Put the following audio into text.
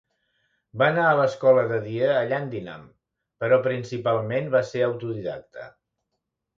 Va anar a l'escola de dia a Llandinam, però principalment va ser autodidacta.